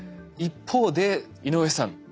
一方で井上さん